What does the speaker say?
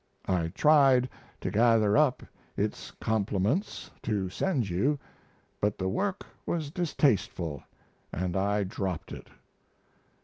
I tried to gather up its compliments to send you, but the work was distasteful and I dropped it.